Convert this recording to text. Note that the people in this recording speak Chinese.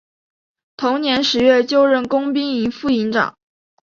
同年十月就任工兵营副营长。